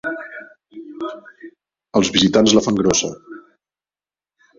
Els visitants la fan grossa.